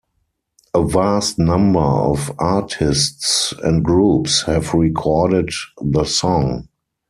A vast number of artists and groups have recorded the song.